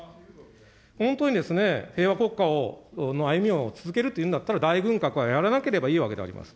本当に平和国家の歩みを続けるというんだったら、大軍拡はやらなければいいわけであります。